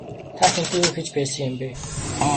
Та хэнтэй юу хийж байсан бэ?